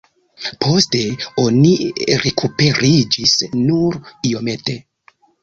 Poste oni rekuperiĝis nur iomete.